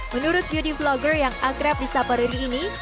menurut beauty vlogger yang akrab di saperiri ini